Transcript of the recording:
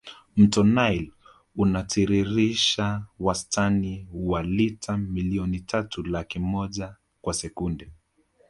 mto nile unatiririsha wastani wa lita milioni tatu laki moja kwa sekunde